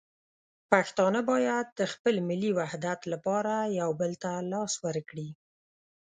پښتانه باید د خپل ملي وحدت لپاره یو بل ته لاس ورکړي.